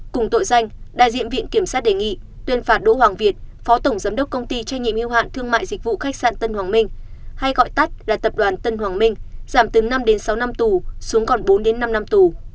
cùng tội danh đại diện viện kiểm sát đề nghị tuyên phạt đỗ hoàng việt phó tổng giám đốc công ty trách nhiệm yêu hạn thương mại dịch vụ khách sạn tân hoàng minh hay gọi tắt là tập đoàn tân hoàng minh giảm từ năm đến sáu năm tù xuống còn bốn đến năm năm tù